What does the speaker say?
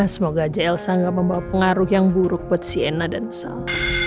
semoga jlsa gak membawa pengaruh yang buruk buat si ena dan sal